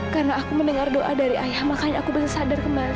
karena aku mendengar doa dari ayah makanya aku bisa sadar kembali